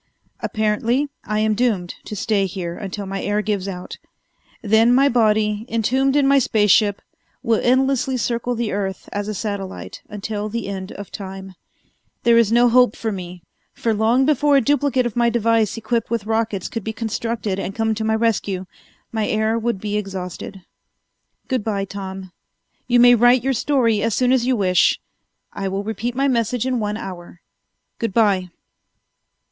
Apparently I am doomed to stay here until my air gives out. Then my body, entombed in my space ship, will endlessly circle the earth as a satellite until the end of time. There is no hope for me, for long before a duplicate of my device equipped with rockets could be constructed and come to my rescue, my air would be exhausted. Good by, Tom. You may write your story as soon as you wish. I will repeat my message in one hour. Good by!"